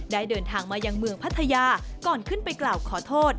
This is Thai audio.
เดินทางมายังเมืองพัทยาก่อนขึ้นไปกล่าวขอโทษ